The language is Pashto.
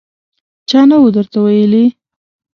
_چا نه و درته ويلي!